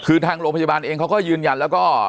คือทางโรงพยาบาลเองเขาก็ยืนยันแล้วก็